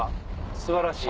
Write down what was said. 素晴らしい。